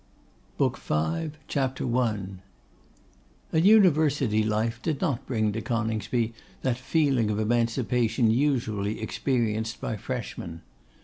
BOOK V. CHAPTER I. An University life did not bring to Coningsby that feeling of emancipation usually experienced by freshmen.